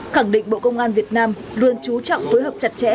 khẳng định bộ công an việt nam luôn trú trọng phối hợp chặt chẽ